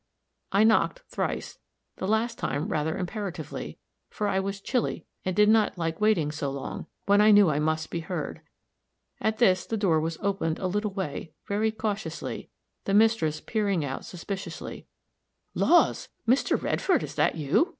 I knocked thrice, the last time rather imperatively, for I was chilly, and did not like waiting so long, when I knew I must be heard. At this the door was opened a little way, very cautiously, the mistress peering out suspiciously. "Laws! Mr. Redfield, is it you?"